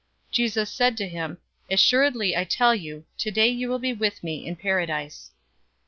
023:043 Jesus said to him, "Assuredly I tell you, today you will be with me in Paradise."